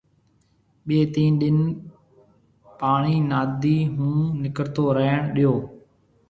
ٻيَ تين ڏِن پاڻيَ نادِي هو نڪرتو ريڻ ڏيو